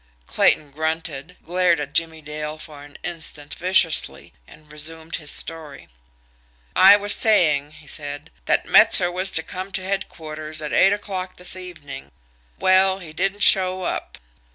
Clayton grunted, glared at Jimmie Dale for an instant viciously and resumed his story. "I was saying," he said, "that Metzer was to come to headquarters at eight o'clock this evening. Well, he didn't show up.